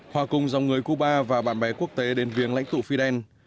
hòa cùng dòng người cuba và bạn bè quốc tế đến viếng lãnh tụ fidel